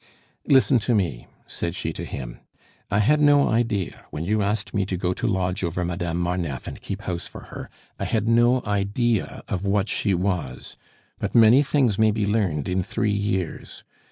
"Listen to me," said she to him. "I had no idea when you asked me to go to lodge over Madame Marneffe and keep house for her I had no idea of what she was; but many things may be learned in three years.